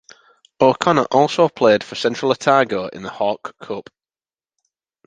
O'Connor also played for Central Otago in the Hawke Cup.